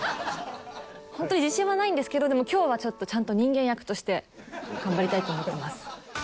ホントに自信はないんですけどでも今日はちょっとちゃんと人間役として頑張りたいと思ってます